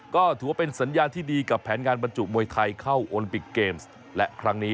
ก็ถือว่าเป็นสัญญาที่ดีกับแผนงานบรรจุมวยไทยเข้าและครั้งนี้